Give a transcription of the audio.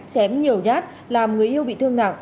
chém nhiều nhát làm người yêu bị thương nặng